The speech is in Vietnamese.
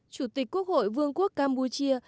chủ tịch quốc hội vương quốc campuchia